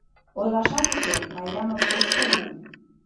Ойлашат уке: пайда моткоч кугу.